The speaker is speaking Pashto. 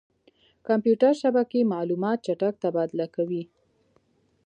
کمپیوټر شبکې معلومات چټک تبادله کوي.